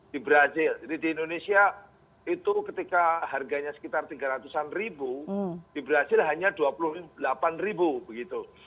di indonesia itu ketika harganya sekitar tiga ratus an ribu di brazil hanya dua puluh delapan ribu